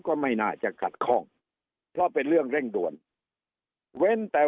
ก็ไม่น่าจะขัดข้องเพราะเป็นเรื่องเร่งด่วนเว้นแต่